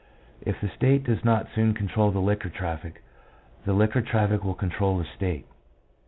... If the state does not soon control the liquor traffic, the liquor traffic will control the state."